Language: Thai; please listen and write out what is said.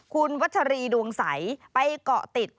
คุณวัชรีดวงใสไปเกาะติด